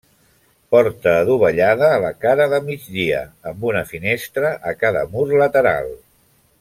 Porta adovellada a la cara de migdia, amb una finestra a cada mur lateral.